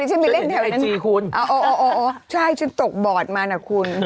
อ้าวอ๋อใช่ฉันตกบอร์ดมาน่ะคุณ